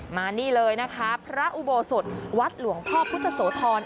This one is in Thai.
มานี่เลยนะคะพระอุโบสถวัดหลวงพ่อพุทธโสธร